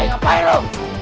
gak payah lo